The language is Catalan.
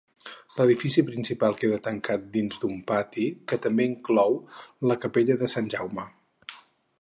L'edifici principal queda tancat dins d'un pati que també inclou la capella de Sant Jaume.